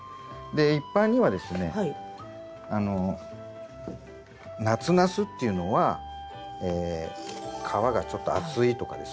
で一般にはですね夏ナスっていうのは皮がちょっと厚いとかですね